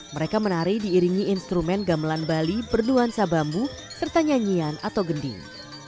mereka menari diiringi instrumen gamelan bali bernuansa bambu serta nyanyian atau gending